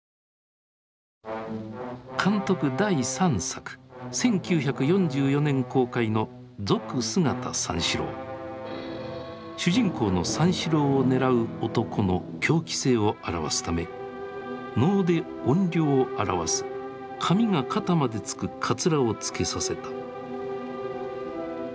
監督第３作１９４４年公開の主人公の三四郎を狙う男の狂気性を表すため能で怨霊を表す髪が肩までつくかつらをつけさせた。